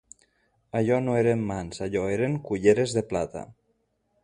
Allò no eren mans, allò eren culleres de plata